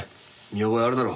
見覚えあるだろ？